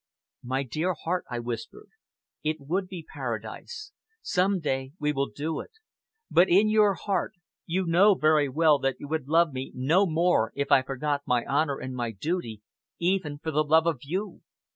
"My dear heart," I whispered, "it would be Paradise! Some day we will do it. But in your heart, you know very well that you would love me no more if I forgot my honor and my duty even for the love of you!"